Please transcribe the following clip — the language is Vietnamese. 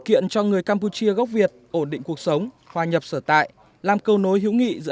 kiện cho người campuchia gốc việt ổn định cuộc sống hòa nhập sở tại làm câu nối hữu nghị giữa